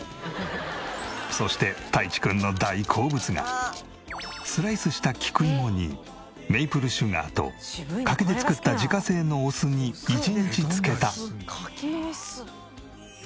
そしてスライスした菊芋にメイプルシュガーと柿で作った自家製のお酢に１日漬けた。